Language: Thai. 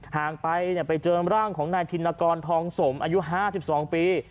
ห่างไปไปเจอร่างของนายธินกรทองสมอายุ๕๒ปี